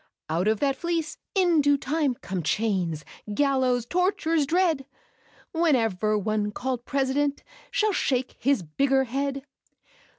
Out of that fleece, in due time, come Chains, gallows, tortures dread. Whenever one called president Shall shake his bigger head.